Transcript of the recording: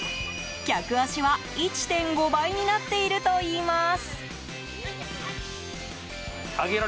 客足は１．５倍になっているといいます。